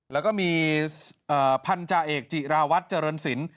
แล้วก็มีพันธาเอกจิราวัตรเจริญศิลป